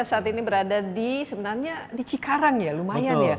saat ini berada di sebenarnya di cikarang ya lumayan ya